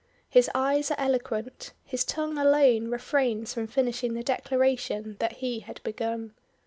His eyes are eloquent; his tongue alone refrains from finishing the declaration that he had begun.